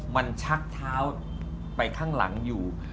มันชักเท้าไปข้างหลังอยู่